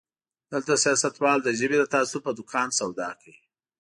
دلته سياستوال د ژبې د تعصب په دوکان سودا کوي.